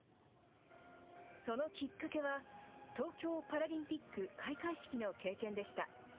そのきっかけは、東京パラリンピック開会式の経験でした。